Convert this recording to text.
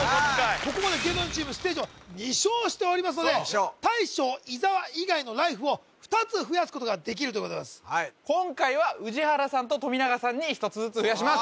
ここまで芸能人チームステージは２勝しておりますので大将伊沢以外のライフを２つ増やすことができるということで今回は宇治原さんと富永さんに１つずつ増やします